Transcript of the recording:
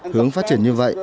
hướng phát triển như vậy